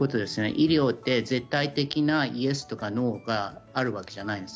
医療は絶対的なイエスとかノーがあるわけじゃないです。